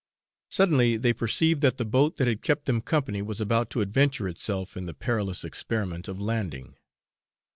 Suddenly they perceived that the boat that had kept them company was about to adventure itself in the perilous experiment of landing.